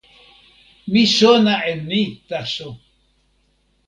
mi sona e ni taso.